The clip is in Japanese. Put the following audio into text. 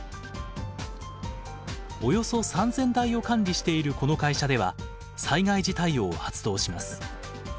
およそ３，０００台を管理しているこの会社では災害時対応を発動します。